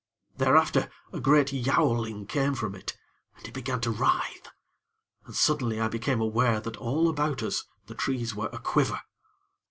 Thereafter, a great yowling came from it, and it began to writhe. And, suddenly, I became aware that all about us the trees were a quiver.